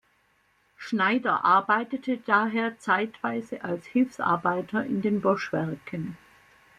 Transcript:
Schneider arbeitete daher zeitweise als Hilfsarbeiter in den Bosch-Werken.